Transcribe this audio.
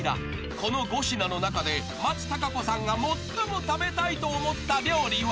［この５品の中で松たか子さんが最も食べたいと思った料理は？］